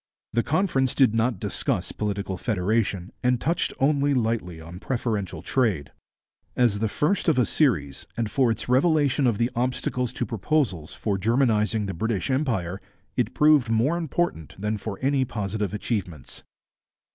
The Conference did not discuss political federation and touched only lightly on preferential trade. As the first of a series, and for its revelation of the obstacles to proposals for Germanizing the British Empire, it proved more important than for any positive achievements.